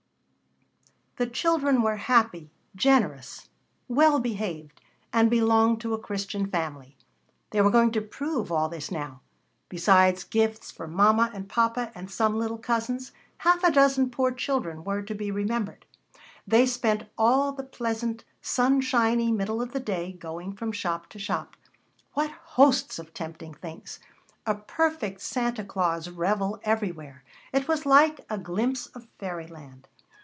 The children were happy, generous, well behaved, and belonged to a Christian family. They were going to prove all this now. Besides gifts for mama and papa, and some little cousins, half a dozen poor children were to be remembered. They spent all the pleasant, sunshiny middle of the day going from shop to shop. What hosts of tempting things! A perfect Santa Clause revel everywhere. It was like a glimpse of fairy land.